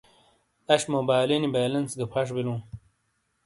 اش موبائیلینی بیلنس گہ پھش بِیلوں۔